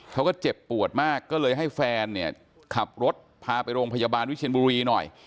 เขาก็เจ็บปวดมากก็เลยให้แฟนเนี่ยขับรถพาไปโรงพยาบาลวิเชียนบุรีหน่อย